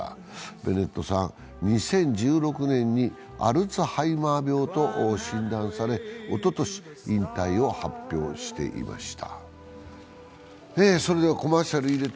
ベネットさん、２０１６年にアルツハイマー病と診断されおととし、引退を発表していました。